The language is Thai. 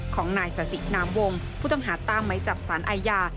ของนายสาสินามวงผู้ต้องหาตามไหมจับสารอาญา